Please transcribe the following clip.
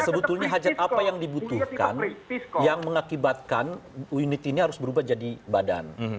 sebetulnya hajat apa yang dibutuhkan yang mengakibatkan unit ini harus berubah jadi badan